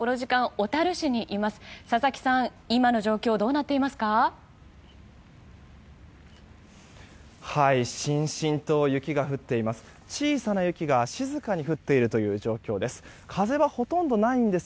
小さな雪が静かに降っているという状況です。